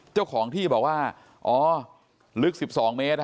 เจ้าของที่บอกว่าอ๋อลึก๑๒เมตร